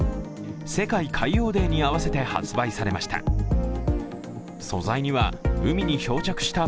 世界海洋デーに合わせて発売されました。